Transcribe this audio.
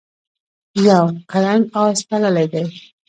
یو کرنګ آس تړلی دی.